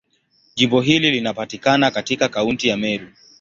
Jimbo hili linapatikana katika Kaunti ya Meru.